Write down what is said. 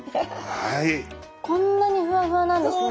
こんなにふわふわなんですね